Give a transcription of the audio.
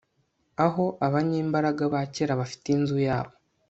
Aho abanyembaraga ba kera bafite inzu yabo